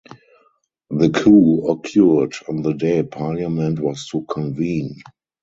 The coup occurred on the day parliament was to convene.